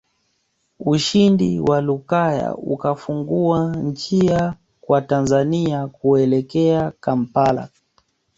Ushindi wa Lukaya ukafungua njia kwa Tanzania kuelekea Kampala